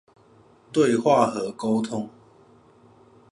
對話和溝通